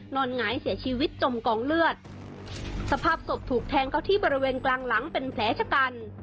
หงายเสียชีวิตจมกองเลือดสภาพศพถูกแทงเขาที่บริเวณกลางหลังเป็นแผลชะกัน